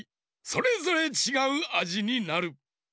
それぞれちがうあじになる。